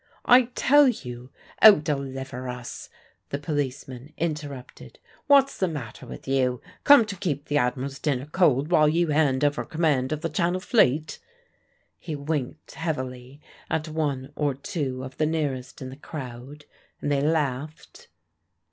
"I tell you " "Oh, deliver us!" the policeman interrupted. "What's the matter with you? Come to keep the Admiral's dinner cold while you hand over command of the Channel Fleet?" He winked heavily at one or two of the nearest in the crowd, and they laughed.